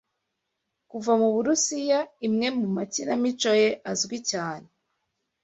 kuva Mu Burusiya, imwe mu makinamico ye azwi cyane